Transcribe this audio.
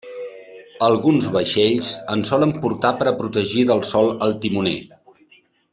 Alguns vaixells en solen portar per a protegir del sol al timoner.